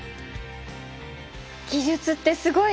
技術ってすごい！